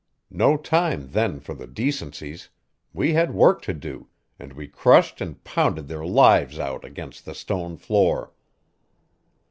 No time then for the decencies; we had work to do, and we crushed and pounded their lives out against the stone floor.